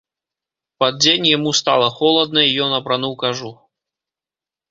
Пад дзень яму стала холадна, і ён апрануў кажух.